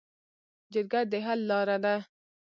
جرګه د حل لاره ده